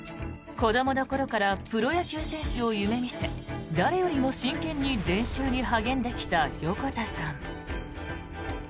子どもの頃からプロ野球選手を夢見て誰よりも真剣に練習に励んできた横田さん。